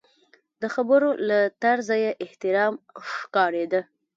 د خبرو له طرزه یې احترام ښکارېده.